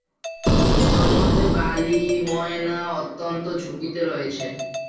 তন্মধ্যে, বালি ময়না অত্যন্ত ঝুঁকিতে রয়েছে।